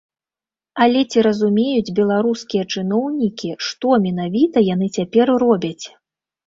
Але ці разумеюць беларускія чыноўнікі, што менавіта яны цяпер робяць?